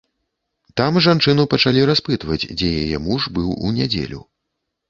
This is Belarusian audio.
Там жанчыну пачалі распытваць, дзе яе муж быў у нядзелю.